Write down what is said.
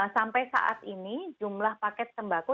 sampai saat ini jumlah paket sembako